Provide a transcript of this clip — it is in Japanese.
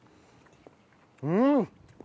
うん！